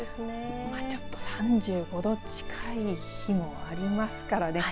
ちょっと３５度近い日もありますからね。